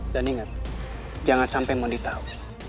dan inget jangan sampai mau ditahu